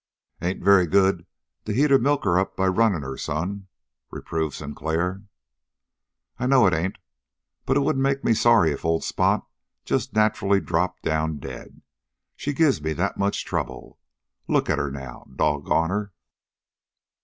"Ain't very good to heat a milker up by running 'em, son," reproved Sinclair. "I know it ain't. But it wouldn't make me sorry if old Spot just nacherally dropped down dead she gives me that much trouble. Look at her now, doggone her!"